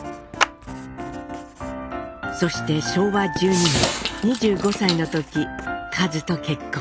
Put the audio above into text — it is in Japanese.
そして昭和１２年２５歳の時かづと結婚。